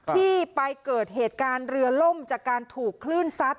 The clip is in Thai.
ที่ไปเกิดเหตุการณ์เรือล่มจากการถูกคลื่นซัด